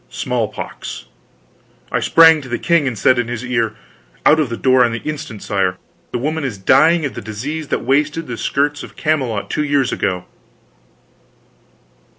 Smallpox! I sprang to the king, and said in his ear: "Out of the door on the instant, sire! the woman is dying of that disease that wasted the skirts of Camelot two years ago."